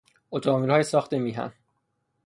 اتومبیلهای ساخت میهن